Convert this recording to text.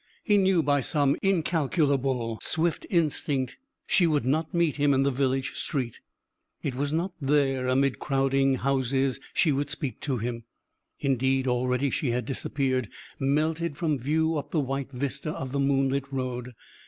He knew by some incalculable, swift instinct she would not meet him in the village street. It was not there, amid crowding houses, she would speak to him. Indeed, already she had disappeared, melted from view up the white vista of the moonlit road.